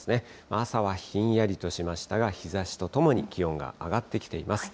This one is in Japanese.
朝はひんやりとしましたが、日ざしとともに気温が上がってきています。